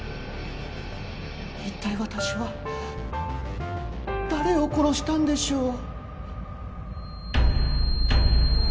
一体私は誰を殺したんでしょう？